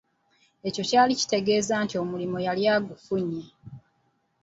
Ekyo kyali kitegeeza nti omulimu yali agufunye.